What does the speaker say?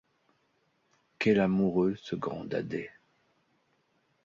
Quelque amoureux, ce grand dadais !